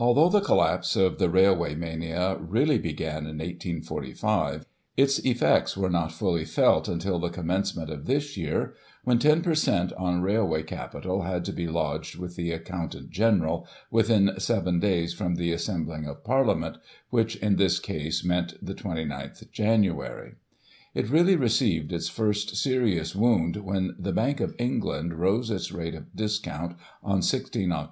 Although the collapse of the Railway Mania really began in 1845, its effects were not fully felt until the commencement of this year, when 10 per cent, on Railway Capital had to be lodged with the Accotmtant General, within seven days from the assembling of Parliament, which in this case meant the 29th Jan. It really received its first serious wound when the Bank of England rose its rate of discount on 16 Oct.